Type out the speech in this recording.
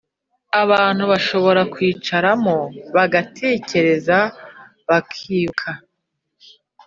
abantu bashobora kwicaramo bagatekereza, bakibuka